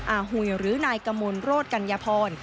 อาหุ่ยหรือนายกมลโรดกันยพร